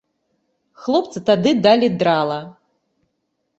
Хлопцы тады далі драла.